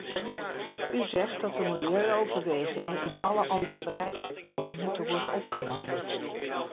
U zegt dat de milieu-overwegingen in alle andere beleidssectoren moeten worden opgenomen.